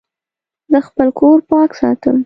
زه خپل کور پاک ساتم.